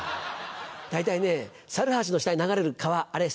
大体ね猿橋の下に流れる川あれ